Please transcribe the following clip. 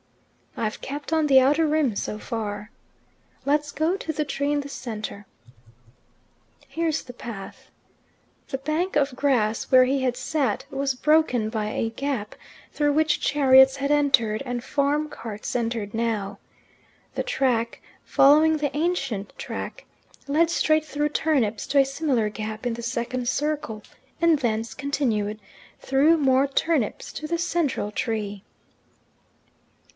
"I've kept on the outer rim so far." "Let's go to the tree in the centre." "Here's the path." The bank of grass where he had sat was broken by a gap, through which chariots had entered, and farm carts entered now. The track, following the ancient track, led straight through turnips to a similar gap in the second circle, and thence continued, through more turnips, to the central tree.